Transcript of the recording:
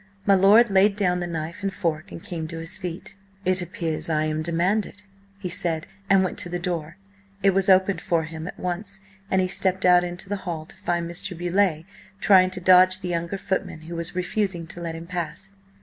My lord laid down the knife and fork and came to his feet. "It appears I am demanded," he said, and went to the door. It was opened for him at once, and he stepped out into the hall to find Mr. Beauleigh trying to dodge the younger footman, who was refusing to let him pass.